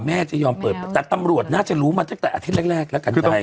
แม่จะยอมเปิดแต่ตำรวจน่าจะรู้มาตั้งแต่อาทิตย์แรกแล้วกัน